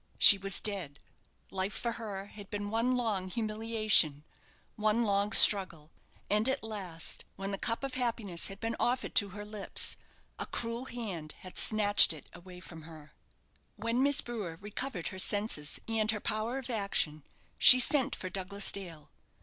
She was dead. Life for her had been one long humiliation, one long struggle. And at last, when the cup of happiness had been offered to her lips, a cruel hand had snatched it away from her. When Miss Brewer recovered her senses and her power of action, she sent for Douglas Dale.